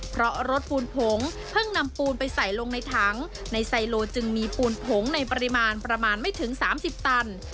เพราะรถปูนผงเพิ่งนำปูนไปใส่ลงในถังในไซโลจึงมีปูนผงในปริมาณประมาณไม่ถึง๓๐ตัน